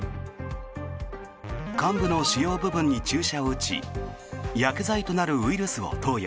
患部の腫瘍部分に注射を打ち薬剤となるウイルスを投与。